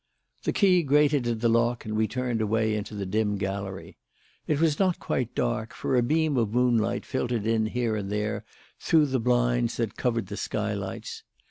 The key grated in the lock and we turned away into the dim gallery. It was not quite dark, for a beam of moonlight filtered in here and there through the blinds that covered the sky lights.